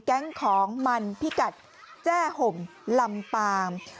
แก๊งของมันพิกัดแจ้ห่มลำปาง